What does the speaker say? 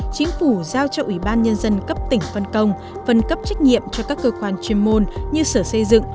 chính phủ giao cho ủy ban nhân dân cấp tỉnh phân công phân cấp trách nhiệm cho các cơ quan chuyên môn như sở xây dựng